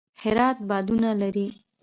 هرات بادونه لري